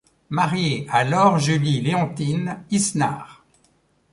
Marié à Laure Julie Léontine Isnard.